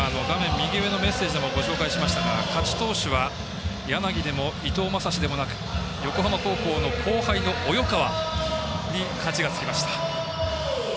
右上のメッセージでもご紹介しましたが勝ち投手は柳でも伊藤将司でもなく横浜高校の後輩の及川に勝ちがつきました。